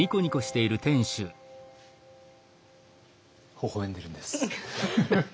ほほ笑んでるんです。